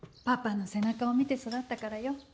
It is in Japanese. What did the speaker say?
パパの背中を見て育ったからよ。